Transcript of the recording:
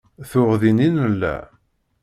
Tuɣ din i nella.